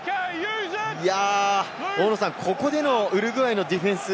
大野さん、ここでのウルグアイのディフェンス。